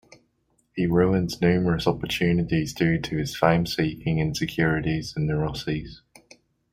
He ruins numerous opportunities due to his fame-seeking, insecurities and neuroses.